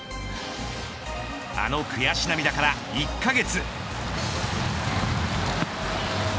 あの悔し涙から１カ月。